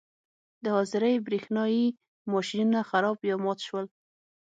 د حاضرۍ برېښنايي ماشینونه خراب یا مات شول.